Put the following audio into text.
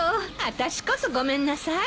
あたしこそごめんなさい。